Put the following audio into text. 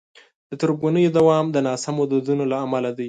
د تربګنیو دوام د ناسمو دودونو له امله دی.